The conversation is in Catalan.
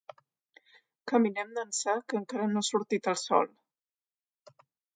Caminem d'ençà que encara no ha sortit el sol.